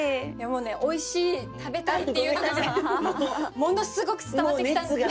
おいしい食べたいっていうのだけものすごく伝わってきたんで。